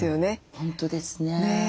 本当ですね。